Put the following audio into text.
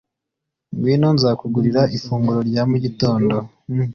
Ngwino nzakugurira ifunguro rya mu gitondo